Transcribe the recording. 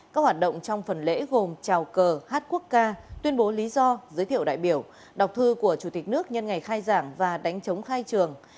các hoạt động trong phần lễ gồm trào cờ hát quốc ca tuyên bố lý do giới thiệu đại biểu đọc thư của chủ tịch nước nhân ngày khai giảng và đánh chống khai trường